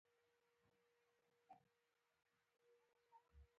غرمه د ماشوم له موسکا څخه مخکې ده